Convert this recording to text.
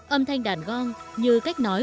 âm thanh đàn gong như cách nói